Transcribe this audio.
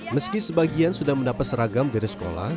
meski sebagian sudah mendapat seragam dari sekolah